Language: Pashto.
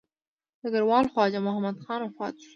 ډګروال خواجه محمد خان وفات شوی.